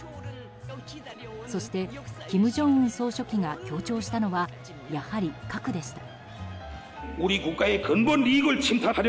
そして、金正恩総書記が強調したのはやはり核でした。